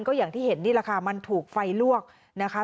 ก็อย่างที่เห็นนี่แหละค่ะมันถูกไฟลวกนะคะ